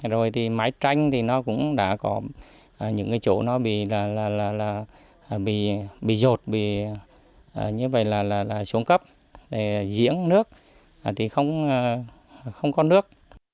rồi thì mái tranh thì nó cũng đã có những chỗ nó bị dột như vậy là xuống cấp giếng nước thì không có nước